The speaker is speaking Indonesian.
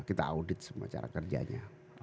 kita audit semua cara kerjanya